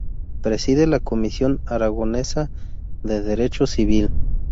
Preside la Comisión Aragonesa de Derecho Civil.